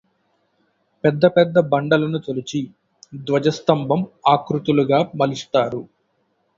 పెద్ద పెద్ద బండలను తొలిచి ధ్వజస్తంభం ఆకృతులుగా మలుస్తారు